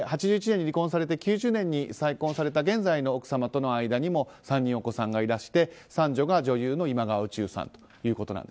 ８１年に離婚をされて９０年に再婚された現在の奥様との間にも３人お子さんがいらして三女が女優の今川宇宙さんだと。